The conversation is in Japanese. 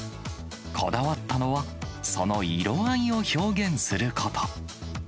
こだわったのは、その色合いを表現すること。